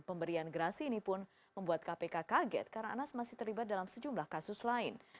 pemberian gerasi ini pun membuat kpk kaget karena anas masih terlibat dalam sejumlah kasus lain